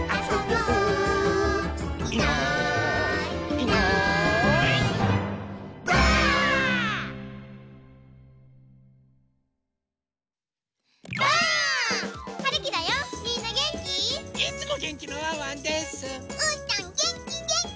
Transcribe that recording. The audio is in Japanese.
うーたんげんきげんき！